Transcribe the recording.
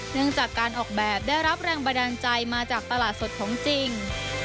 เนื่องจากการออกแบบได้รับแรงบันดาลใจมาจากตลาดสดของจริง